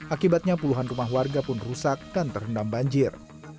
akibatnya puluhan rumah warga pun rusak dan terendam banjir